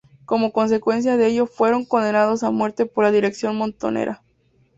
Como consecuencia de ello fueron condenados a muerte por la dirección montonera.